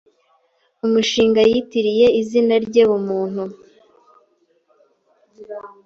umushinga yitiriye izina rye Bumuntu;